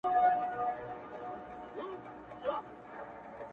• خو موږ ټول باید روان سو د وروستي تم ځای پر لوري ,